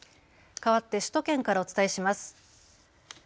かわって首都圏からお伝えします。